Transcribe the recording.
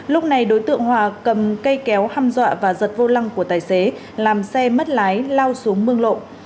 lúc này đối tượng hòa cầm cây kéo hăm dọa và giật vô lăng của tài xế làm xe mất lái lao xuống mương lộ